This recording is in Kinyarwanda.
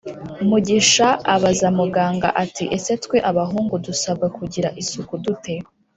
Mugisha abaza muganga ati: “Ese twe abahungu dusabwa kugira isuku dute”?